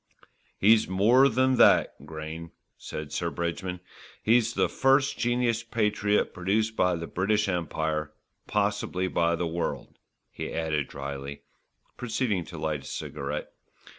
"He's more than that, Grayne," said Sir Bridgman, "he's the first genus patriot produced by the British Empire, possibly by the world," he added drily, proceeding to light a cigarette.